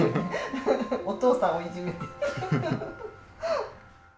お父さんをいじめて。